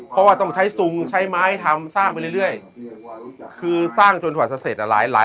เพราะว่าต้องใช้ซุงใช้ไม้ทำสร้างไปเรื่อยคือสร้างจนกว่าจะเสร็จอ่ะหลายหลาย